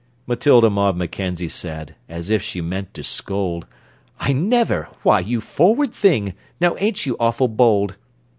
Matilda Maud Mackenzie said, as if she meant to scold: "I never! Why, you forward thing! Now ain't you awful bold!"